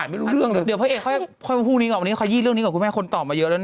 ไม่รู้เลยคุณแม่งงงงงงงงงงง